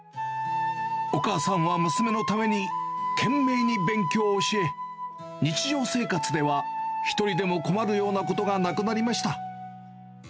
お母さんは娘のために、懸命に勉強を教え、日常生活では、一人でも困るようなことがなくなりました。